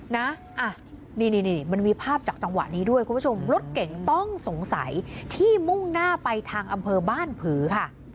นะนี่มันมีภาพจากจังหวะนี้ด้วยคุณผู้ชมรถเก่งต้องสงสัยที่มุ่งหน้าไปทางอำเภอบ้านผือค่ะ